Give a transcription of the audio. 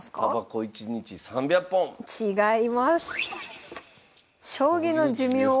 たばこ１日３００本！違います。